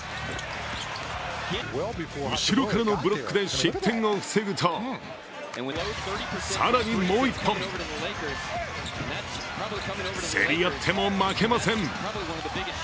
後ろからのブロックで失点を防ぐと更にもう一本競り合っても負けません。